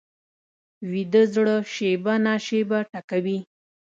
ویده زړه شېبه نا شېبه ټکوي